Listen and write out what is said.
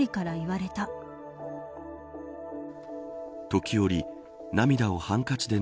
時折、涙をハンカチで